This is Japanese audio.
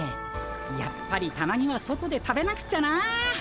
やっぱりたまには外で食べなくちゃな。